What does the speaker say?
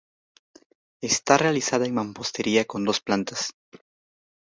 Está realizada en mampostería con dos plantas.